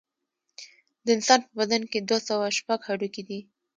د انسان په بدن کې دوه سوه شپږ هډوکي دي